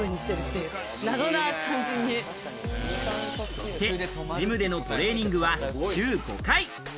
そしてジムでのトレーニングは週５回。